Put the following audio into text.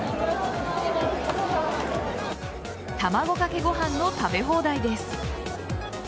卵かけご飯の食べ放題です。